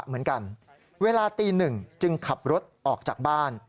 เหมือนกันเวลาตีหนึ่งจึงขับรถออกจากบ้าน